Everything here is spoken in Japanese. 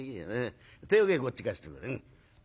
手おけこっち貸してくれ。